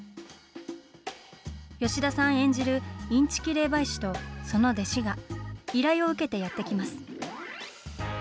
吉田さん演じるインチキ霊媒師とその弟子が、依頼を受けてやって来ます。